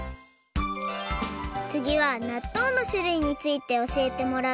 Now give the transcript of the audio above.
つぎはなっとうのしゅるいについて教えてもらうよ